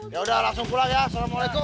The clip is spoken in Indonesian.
ya udah langsung pulang ya assalamualaikum